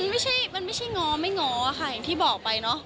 ไม่ใช่มันไม่ใช่ง้อไม่ง้อค่ะอย่างที่บอกไปเนอะ